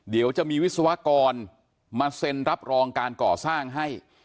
เดี๋ยวจะมีวิศวกรมาเซ็นรับรองการก่อสร้างให้